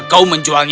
aku sudah membelinya